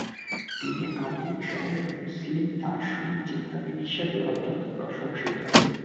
তিনি "আধুনিক সময়ের মুসলিম দার্শনিক চিন্তাবিদ" হিসাবেও অত্যন্ত প্রশংসিত।